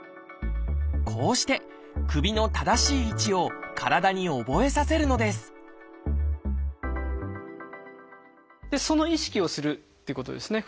こうして首の正しい位置を体に覚えさせるのですその意識をするっていうことですね。